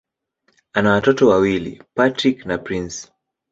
Ana watoto wawili: Patrick na Prince.